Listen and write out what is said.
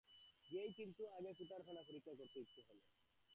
গিয়েই কিন্তু আগে কুঠারখানা পরীক্ষা করতে ইচ্ছা হল।